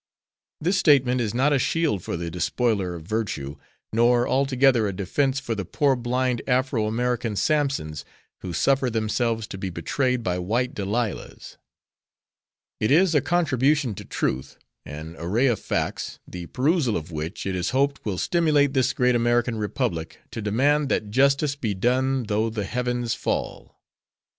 This statement is not a shield for the despoiler of virtue, nor altogether a defense for the poor blind Afro American Sampsons who suffer themselves to be betrayed by white Delilahs. It is a contribution to truth, an array of facts, the perusal of which it is hoped will stimulate this great American Republic to demand that justice be done though the heavens fall.